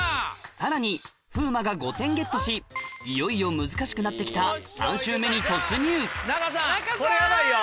さらに風磨が５点ゲットしいよいよ難しくなってきた３周目に突入仲さんこれヤバいよ。